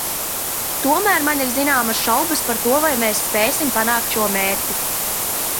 Tomēr man ir zināmas šaubas par to, vai mēs spēsim panākt šo mērķi.